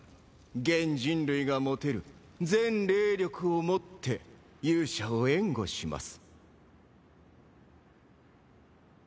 現人類が持てる全霊力をもって勇者を援護します。